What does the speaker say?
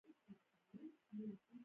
د هغه هیواد خلک د روسانو پر ضد را پاروم.